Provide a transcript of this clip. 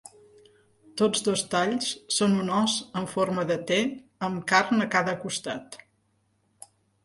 Tots dos talls són un os en forma de "T" amb carn a cada costat.